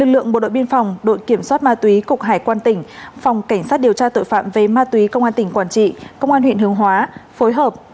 lượng bộ đội biên phòng đội kiểm soát ma túy cục hải quan tỉnh phòng cảnh sát điều tra tội phạm về ma túy công an tỉnh quảng trị công an huyện hương hóa phối hợp